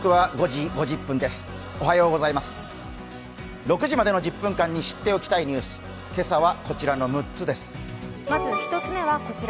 ６時までの１０分間に知っておきたいニュース、今朝はこちらの６つです。